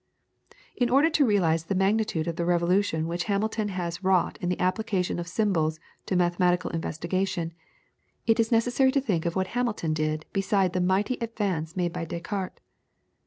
In order to realise the magnitude of the revolution which Hamilton has wrought in the application of symbols to mathematical investigation, it is necessary to think of what Hamilton did beside the mighty advance made by Descartes.